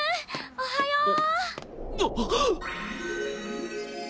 おはよう！